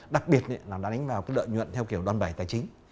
đặc biệt là nó đánh vào cái lợi nhuận theo kiểu đoàn bảy tài chính